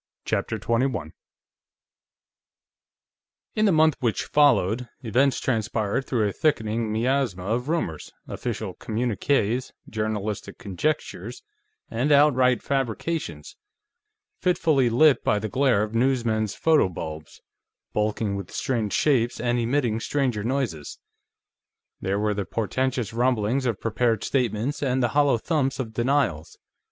CHAPTER 21 In the month which followed, events transpired through a thickening miasma of rumors, official communiques, journalistic conjectures, and outright fabrications, fitfully lit by the glare of newsmen's photo bulbs, bulking with strange shapes, and emitting stranger noises. There were the portentous rumblings of prepared statements, and the hollow thumps of denials.